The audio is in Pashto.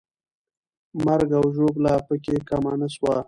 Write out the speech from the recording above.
مرګ او ژوبله پکې کمه نه سوه.